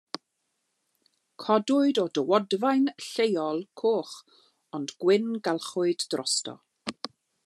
Codwyd o dywodfaen lleol, coch ond gwyngalchwyd drosto.